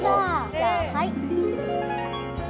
じゃあはい。